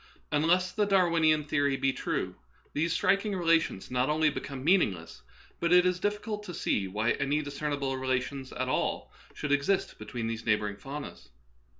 Unless the Darwinian theory be true, these striking relations not only become meaningless, but it is difiicult to see why any discernible relations at all should exist between these neighboring faunas.